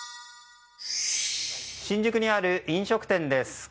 新宿にある飲食店です。